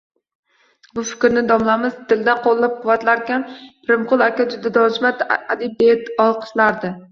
Bu fikrni domlamiz dildan qo`llab-quvvatlarkan, Pirimqul aka juda donishmand adib deya olqishlardi